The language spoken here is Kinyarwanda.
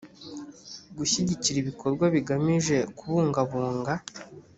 gushyigikira ibikorwa bigamije kubungabunga